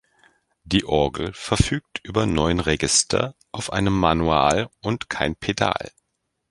Die Orgel verfügt über neun Register auf einem Manual und kein Pedal.